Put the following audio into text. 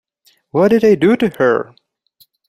What did I do to her?